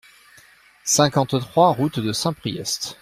cinquante-trois route de Saint-Priest